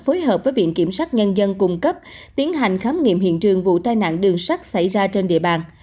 phối hợp với viện kiểm sát nhân dân cung cấp tiến hành khám nghiệm hiện trường vụ tai nạn đường sắt xảy ra trên địa bàn